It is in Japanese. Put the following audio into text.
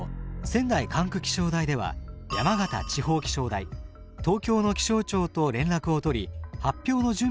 仙台管区気象台では山形地方気象台東京の気象庁と連絡を取り発表の準備を進めていました。